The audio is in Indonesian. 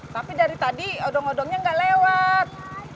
tapi dari tadi odong odongnya nggak lewat